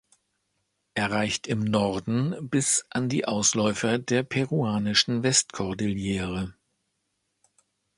Er reicht im Norden bis an die Ausläufer der peruanischen Westkordillere.